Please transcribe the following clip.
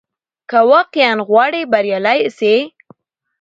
که واقعاً غواړې بریالی سې،